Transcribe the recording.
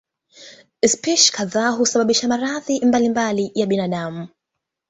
Spishi kadhaa husababisha maradhi mbalimbali ya binadamu.